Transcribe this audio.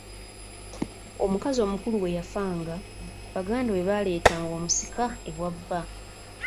Omukazi omukulu bwe yafanga, baganda be baaleetanga omusika ewa bba.